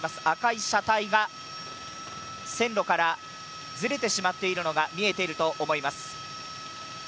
赤い車体が線路からずれてしまっているのが見えていると思います。